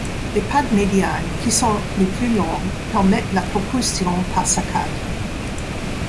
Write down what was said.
Les pattes médianes, qui sont les plus longues, permettent la propulsion par saccades.